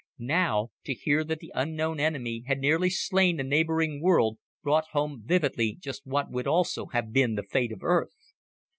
Now, to hear that the unknown enemy had nearly slain a neighboring world brought home vividly just what would also have been the fate of Earth.